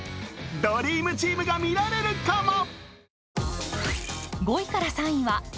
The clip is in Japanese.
ドリームチームが見られるかも。